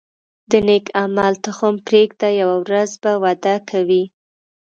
د نیک عمل تخم پرېږده، یوه ورځ به وده کوي.